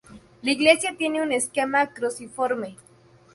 La iglesia tiene un esquema cruciforme.